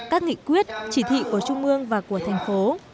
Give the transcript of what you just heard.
các nghị quyết chỉ thị của trung mương và của thành phố